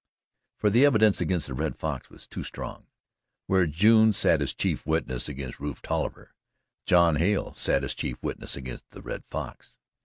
For the evidence against the Red Fox was too strong. Where June sat as chief witness against Rufe Tolliver John Hale sat as chief witness against the Red Fox.